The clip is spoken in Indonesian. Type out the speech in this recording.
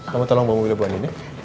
kamu tolong bawa mobilnya buat andin ya